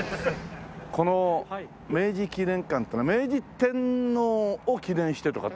この明治記念館っていうのは明治天皇を記念してとか。